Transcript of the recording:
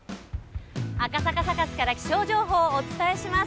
赤坂サカスから気象状況をお伝えします。